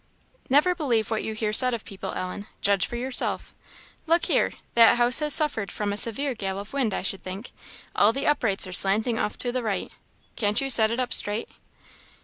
"Never believe what you hear said of people, Ellen; judge for yourself. Look here that house has suffered from a severe gale of wind, I should think all the uprights are slanting off to the right can't you set it up straight?"